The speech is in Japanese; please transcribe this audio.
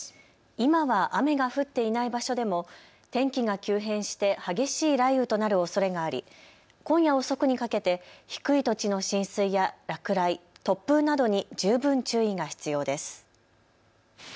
今は雨が降っていない場所でも天気が急変して激しい雷雨となるおそれがあり今夜遅くにかけて低い土地の浸水や落雷、突風などに十分注意が必要です。